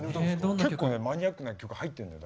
結構マニアックな曲が入ってるのよ。